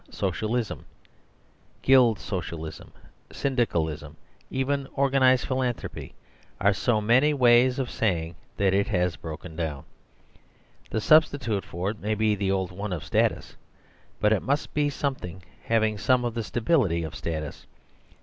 Socialism, Guild Socialism, Syndicalism, even organised philanthropy, are so many ways of saying that it has broken down. The substitute for it may be the old one of status ; but it must be some thing having some of the stability of status.